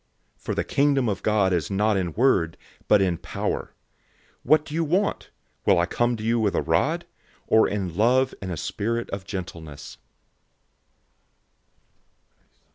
004:020 For the Kingdom of God is not in word, but in power. 004:021 What do you want? Shall I come to you with a rod, or in love and a spirit of gentleness?